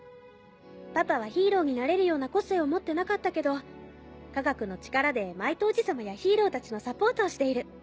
パパはヒーローになれるような個性を持ってなかったけど科学の力でマイトおじ様やヒーローたちのサポートをしている。